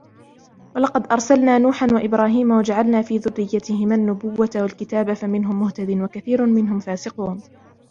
وَلَقَدْ أَرْسَلْنَا نُوحًا وَإِبْرَاهِيمَ وَجَعَلْنَا فِي ذُرِّيَّتِهِمَا النُّبُوَّةَ وَالْكِتَابَ فَمِنْهُمْ مُهْتَدٍ وَكَثِيرٌ مِنْهُمْ فَاسِقُونَ